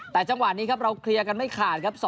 แต่จังหวะนี้ครับเราเคลียร์กันไม่ขาดครับ